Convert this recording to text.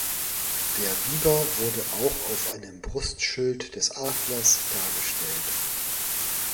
Der Biber wurde auch auf einem Brustschild des Adlers dargestellt.